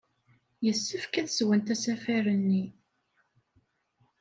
Yessefk ad teswem asafar-nni!